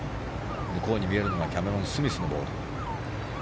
向こうに見えるのがキャメロン・スミスのボール。